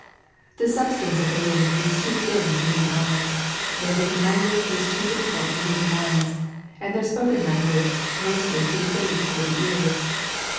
The substance of the winds is too thin for human eyes, their written language is too diffi cult for human minds, and their spoken lan guage mostly too faint for the ears.